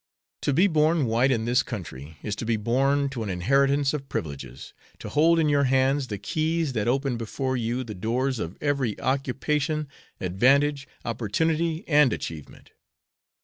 To be born white in this country is to be born to an inheritance of privileges, to hold in your hands the keys that open before you the doors of every occupation, advantage, opportunity, and achievement."